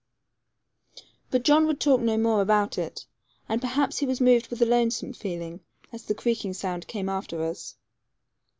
But John would talk no more about it; and perhaps he was moved with a lonesome feeling, as the creaking sound came after us.